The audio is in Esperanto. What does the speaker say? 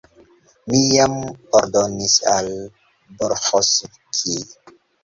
Mi jam ordonis al Bolĥovskij.